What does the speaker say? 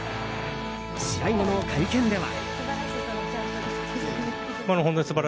試合後の会見では。